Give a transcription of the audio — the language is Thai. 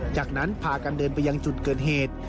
จากนั้นพากันเดินไปยังจุดเกิดเหตุ